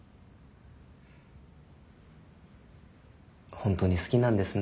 ホントに好きなんですね。